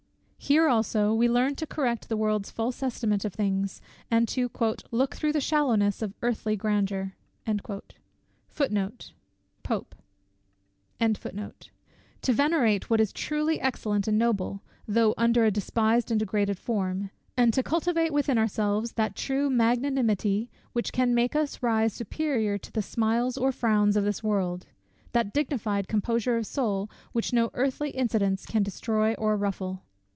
Here also we learn to correct the world's false estimate of things, and to "look through the shallowness of earthly grandeur;" to venerate what is truly excellent and noble, though under a despised and degraded form; and to cultivate within ourselves that true magnanimity, which can make us rise superior to the smiles or frowns of this world; that dignified composure of soul which no earthly incidents can destroy or ruffle.